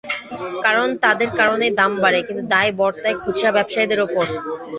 কারণ তাঁদের কারণেই দাম বাড়ে, কিন্তু দায় বর্তায় খুচরা ব্যবসায়ীদের ওপর।